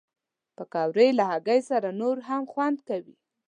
پکورې له هګۍ سره نور هم خوند کوي